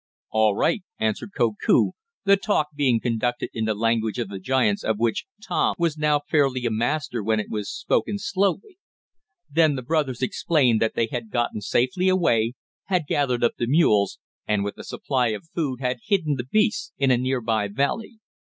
"All right," answered Koku, the talk being conducted in the language of the giants of which Tom was now fairly a master when it was spoken slowly. Then the brothers explained that they had gotten safely away, had gathered up the mules, and with a supply of food, had hidden the beasts in a nearby valley.